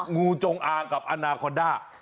งูจงอางกับอนาคอนด้า